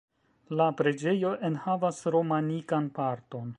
La preĝejo enhavas romanikan parton.